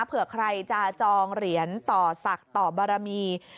เผื่อใครจะจองเหรียญต่อศักดิ์ต่อบารมี